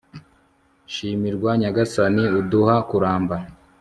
shimirwa nyagasani, uduha kuramba